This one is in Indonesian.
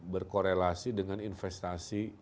berkorelasi dengan investasi